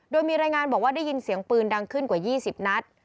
โดยมีรายงานบอกว่าได้ยินเสียงปืนดังขึ้นกว่า๒๐นัด